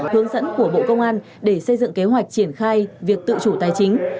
hướng dẫn của bộ công an để xây dựng kế hoạch triển khai việc tự chủ tài chính